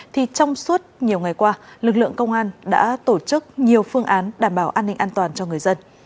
thì trong suốt nhiều ngày qua lực lượng công an đã tổ chức nhiều phương án đảm bảo an ninh an toàn cho người dân